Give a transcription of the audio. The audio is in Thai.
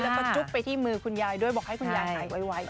แล้วก็จุ๊บไปที่มือคุณยายด้วยบอกให้คุณยายหายไว